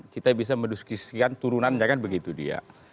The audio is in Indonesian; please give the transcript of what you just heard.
kita bisa mendiskusikan turunan jangan begitu dia